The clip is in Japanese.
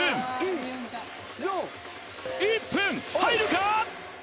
２分１分入るか！？